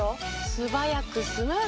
素早くスムーズ。